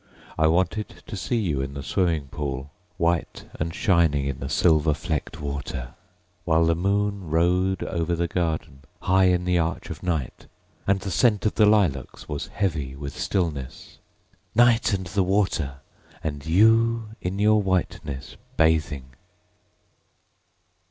I wanted to see you in the swimming pool, White and shining in the silver flecked water. While the moon rode over the garden, High in the arch of night, And the scent of the lilacs was heavy with stillness. Night, and the water, and you in your whiteness, bathing!